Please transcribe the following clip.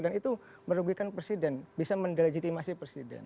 dan itu merugikan presiden bisa mendiregitimasi presiden